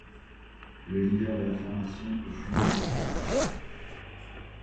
Le leader de la formation est Julien Antomarchi.